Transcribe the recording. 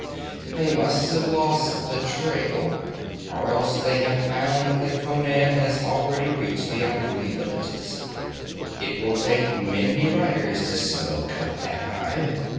'They must have lost the trail! Or else they have found that Conan has already reached the Afghuli villages. It will take many riders to smoke out that hive.